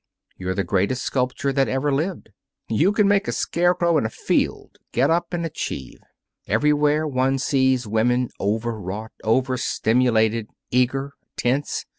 You're the greatest sculptor that ever lived. You could make a scarecrow in a field get up and achieve. Everywhere one sees women over wrought, over stimulated, eager, tense.